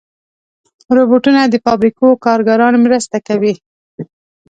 روبوټونه د فابریکو کارګران مرسته کوي.